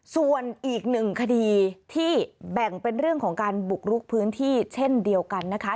ส่วนอีกหนึ่งคดีที่แบ่งเป็นเรื่องของการบุกลุกพื้นที่เช่นเดียวกันนะคะ